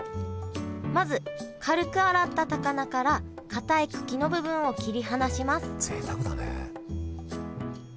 まず軽く洗った高菜からかたい茎の部分を切り離しますぜいたくだね。